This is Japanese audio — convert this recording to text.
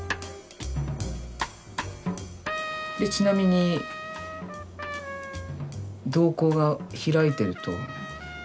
ちなみに瞳孔が開いてると。